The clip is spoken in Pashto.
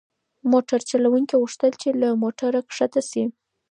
موټر چلونکي غوښتل چې له موټره کښته شي.